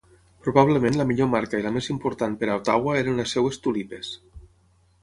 Probablement la millor marca i la més important per a Ottawa eren les seves tulipes.